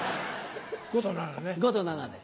５と７ね。